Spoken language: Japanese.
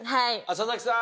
佐々木さん。